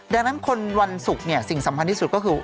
ดังนั้นคนวันศุกร์เนี่ยสิ่งสำคัญที่สุดก็คือ